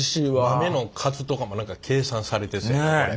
豆の数とかも何か計算されてそうやこれ。